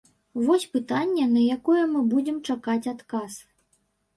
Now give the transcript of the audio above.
Вось пытанне, на якое мы будзем чакаць адказ.